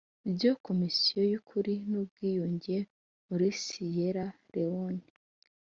byo Komisiyo y Ukuri n Ubwiyunge muri Siyera Lewone